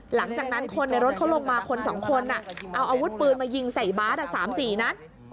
หลังจากนั้นคนในรถเขาลงมาคน๒คนเอาอาวุธปืนมายิงใส่บาส๓๔นัด